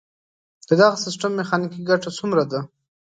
د دغه سیستم میخانیکي ګټه څومره ده؟